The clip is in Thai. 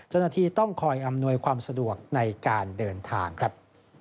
เจ้าหน้าที่ต้องคอยอำนวยความสะดวกในการเดินทางครับ